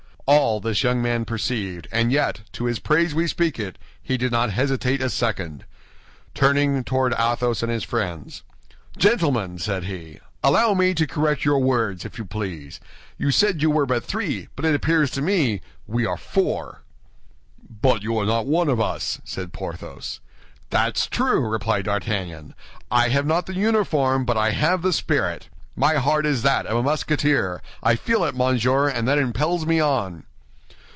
All this the young man perceived, and yet, to his praise we speak it, he did not hesitate a second. Turning towards Athos and his friends, "Gentlemen," said he, "allow me to correct your words, if you please. You said you were but three, but it appears to me we are four." "But you are not one of us," said Porthos. "That's true," replied D'Artagnan; "I have not the uniform, but I have the spirit. My heart is that of a Musketeer; I feel it, monsieur, and that impels me on."